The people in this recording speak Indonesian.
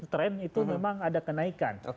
trend itu memang ada kenaikan